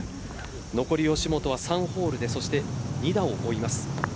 残り吉本は３ホールでそして２打を追います。